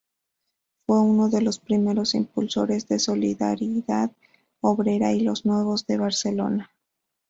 Fue uno de los primeros impulsores de "Solidaridad Obrera" y "Los Nuevos" de Barcelona.